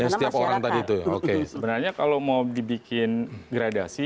oke sebenarnya kalau mau dibikin gradasi